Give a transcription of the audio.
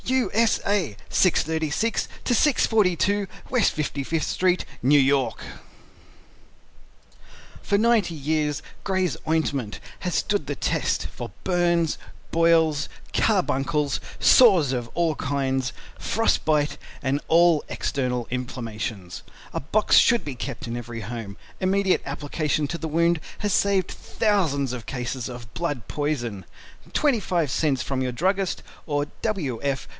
U. S. A. 636 to 642 West 55th Street, New York For 90 Years GRAY'S OINTMENT Has stood the test for Burns, Boils, Carbuncles, Sores of All Kind, Frost Bite and all External Inflammations. A box should be kept in every home. Immediate application to the wound has saved thousands of cases of Blood Poison. 25 cents from your Druggist or W. F.